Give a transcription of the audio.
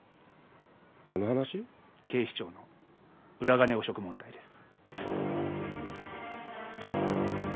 警視庁の裏金汚職問題です。